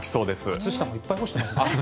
靴下もいっぱい干してますね。